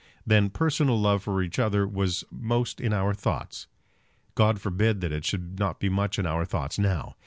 Then personal love for each other was most in our thoughts. God forbid that it should not be much in our thoughts now!